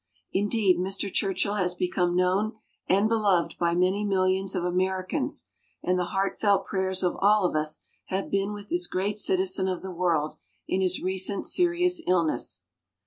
Indeed, Mr. Churchill has become known and beloved by many millions of Americans, and the heartfelt prayers of all of us have been with this great citizen of the world in his recent serious illness.